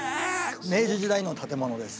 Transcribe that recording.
明治時代の建物です。